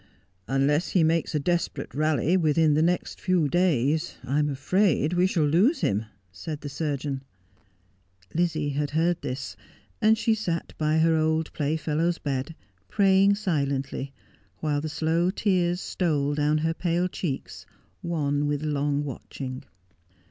' Unless he makes a desperate rally within the next few days I'm afraid we shall lose him,' said the surgeon. Lizzie had heard this, and she sat by her old playfellow's bed, praying silently, while the slow tears stole down her pale cheeks, wan with long watching.